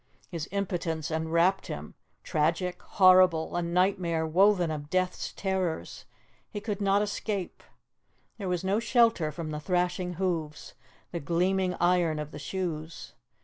His impotence enwrapped him, tragic, horrible, a nightmare woven of death's terrors; he could not escape; there was no shelter from the thrashing hoofs, the gleaming iron of the shoes.